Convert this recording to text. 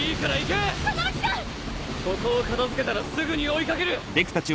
ここを片付けたらすぐに追い掛ける。